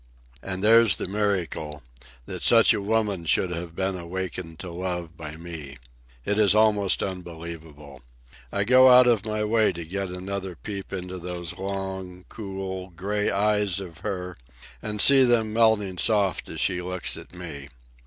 And there's the miracle—that such a woman should have been awakened to love by me. It is almost unbelievable. I go out of my way to get another peep into those long, cool, gray eyes of hers and see them grow melting soft as she looks at me.